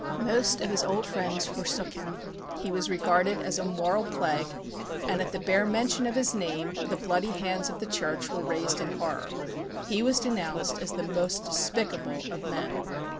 Most of his old friends forsook him. He was regarded as a moral plague, and at the bare mention of his name the bloody hands of the Church were raised in horror. He was denounced as the most despicable of men.